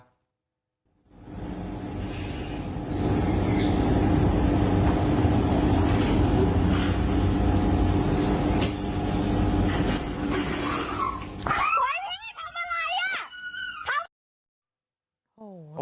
พี่เพียงแต่อะไร